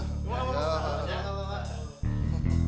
jangan jangan jangan